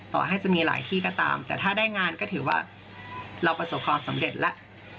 ต่อให้จะมีหลายที่ก็ตามแต่ถ้าได้งานก็ถือว่าเราประสบความสำเร็จแล้ว